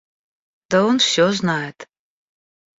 Да он все знает.